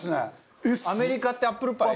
アメリカってアップルパイ。